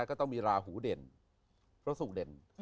ก็ต้องมีราหูเด่นเพราะสุขเด่น